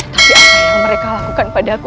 tapi apa yang mereka lakukan pada aku